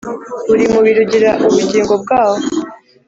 buri mubiri ugira ubugingo bwawo